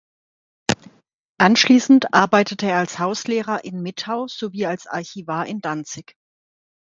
Anschließend arbeitete es als Hauslehrer in Mitau sowie als Archivar in Danzig.